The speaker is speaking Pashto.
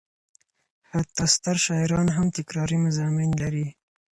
حتی ستر شاعران هم تکراري مضامین لري.